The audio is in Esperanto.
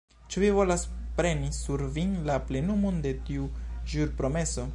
ĉu vi volas preni sur vin la plenumon de tiu ĵurpromeso?